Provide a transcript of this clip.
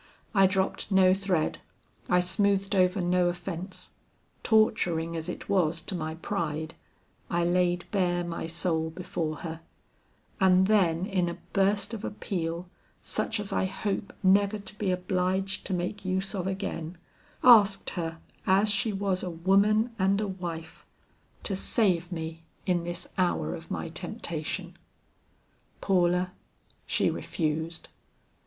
I dropped no thread, I smoothed over no offence. Torturing as it was to my pride, I laid bare my soul before her, and then in a burst of appeal such as I hope never to be obliged to make use of again, asked her as she was a woman and a wife, to save me in this hour of my temptation. "Paula, she refused.